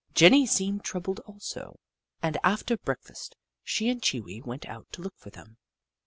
Jenny seemed troubled also, and after break fast she and Chee Wee went out to look for them.